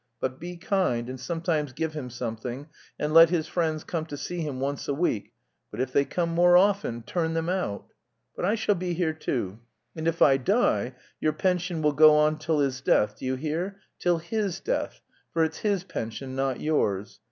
But be kind, and sometimes give him something, and let his friends come to see him once a week, but if they come more often, turn them out. But I shall be here, too. And if I die, your pension will go on till his death, do you hear, till his death, for it's his pension, not yours.